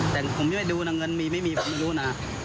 แต่ผมจะดูให้มีมีไม่มีเรารู้นะ